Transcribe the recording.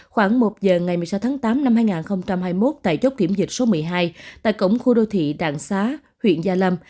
khoảng một giờ ngày một mươi sáu tháng tám năm hai nghìn hai mươi một tại chốt kiểm dịch số một mươi hai tại cổng khu đô thị đạng xá huyện gia lâm